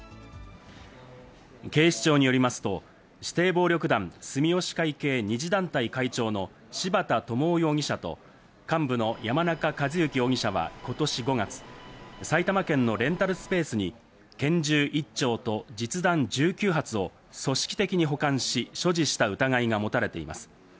警視庁によりますと、指定暴力団住吉会系２次団体会長の柴田智生容疑者と幹部の山中和幸容疑者はことし５月、埼玉県のレンタルスペースに拳銃１丁と実弾１９発を組織的に保管し、所持した疑いが持たれています。